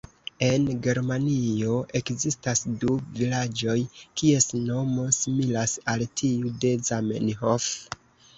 En Germanio ekzistas du vilaĝoj, kies nomo similas al tiu de "Zamenhof".